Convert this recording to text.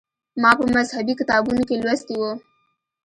ما په مذهبي کتابونو کې لوستي و.